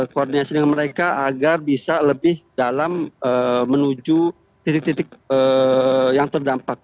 koordinasi dengan mereka agar bisa lebih dalam menuju titik titik yang terdampak